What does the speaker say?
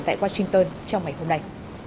tại washington trong ngày hôm nay